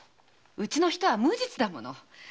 うちの人は無実だもの。